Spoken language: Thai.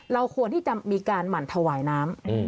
เราควรที่จะมีการหมั่นถวายน้ำ